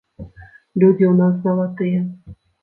Людзі ў нас залатыя.